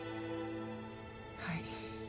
はい